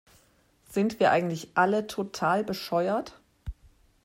Sind wir eigentlich alle total bescheuert?